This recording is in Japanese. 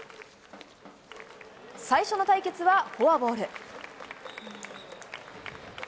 最初の対決はフォアボール。